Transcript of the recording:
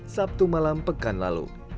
sabtu malam pekan lalu